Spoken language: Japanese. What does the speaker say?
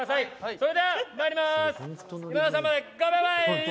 それではまいりまーす。